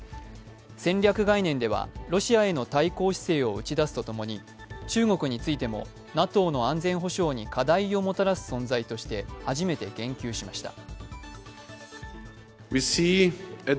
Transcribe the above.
戦略概念ではロシアへの対抗姿勢を打ち出すとともに中国についてもＮＡＴＯの安全保障に課題をもたらす存在として初めて言及しました。